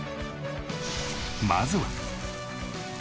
まずは。